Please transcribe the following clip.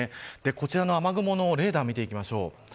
こちらの雨雲のレーダーを見ていきましょう。